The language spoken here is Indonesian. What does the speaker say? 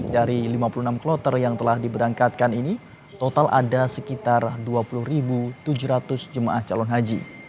dari lima puluh enam kloter yang telah diberangkatkan ini total ada sekitar dua puluh tujuh ratus jemaah calon haji